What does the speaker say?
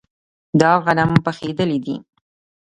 دا غنم پخیدلي دي.